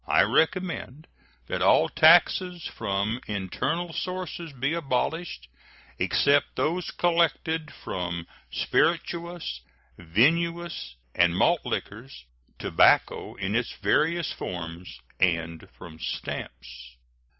I recommend that all taxes from internal sources be abolished, except those collected from spirituous, vinous, and malt liquors, tobacco in its various forms, and from stamps.